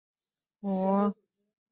书面使用拉丁字母。